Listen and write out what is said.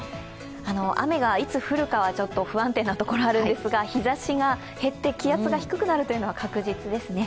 雨がいつ降るかはちょっと不安定なところがあるんですが、日ざしが減って、気圧が低くなるというのは確実ですね。